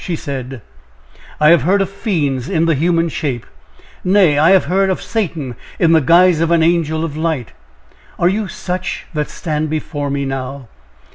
She said: "I have heard of fiends in the human shape, nay, I have heard of Satan in the guise of an angel of light! Are you such that stand before me now?"